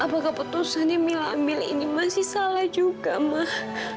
apakah keputusannya mila ambil ini masih salah juga mas